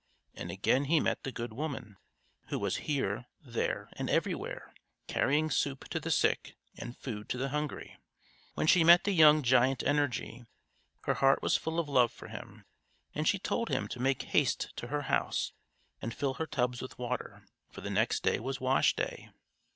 and again he met the good woman, who was here, there and everywhere, carrying soup to the sick and food to the hungry. When she met the young Giant Energy, her heart was full of love for him; and she told him to make haste to her house and fill her tubs with water, for the next day was wash day.